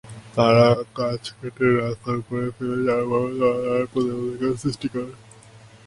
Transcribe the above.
তারা গাছ কেটে রাস্তার ওপরে ফেলে যানবাহন চলাচলে প্রতিবন্ধকতা সৃষ্টি করে।